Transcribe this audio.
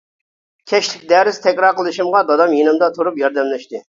كەچلىك دەرس تەكرار قىلىشىمغا دادام يېنىمدا تۇرۇپ ياردەملەشتى.